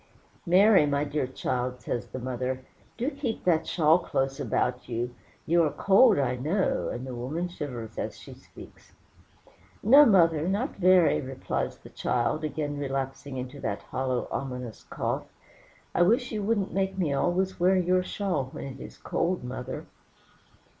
"Mary, my dear child," says the mother, "do keep that shawl close about you; you are cold, I know," and the woman shivers as she speaks. "No, mother, not very," replies the child, again relapsing into that hollow, ominous cough. "I wish you wouldn't make me always wear your shawl when it is cold, mother."